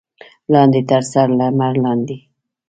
لاندې تر سره لمر لاندې.